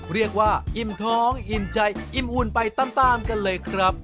เรียกว่าอิ่มท้องอิ่มใจอิ่มอุ่นไปตามกันเลยครับ